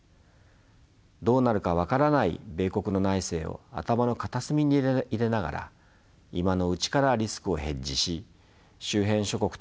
どうなるか分からない米国の内政を頭の片隅に入れながら今のうちからリスクをヘッジし周辺諸国との関係を少しずつ軌道修正しておく必要があるでしょう。